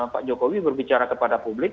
pak jokowi berbicara kepada publik